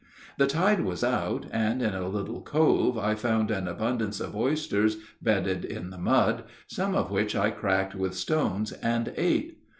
The tide was out, and in a little cove I found an abundance of oysters bedded in the mud, some of which I cracked with stones and ate.